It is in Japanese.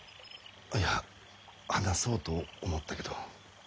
いや話そうと思ったけど。